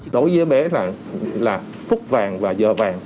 đối với bé là phút vàng và giờ vàng